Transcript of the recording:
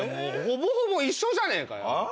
ほぼほぼ一緒じゃねえかよ！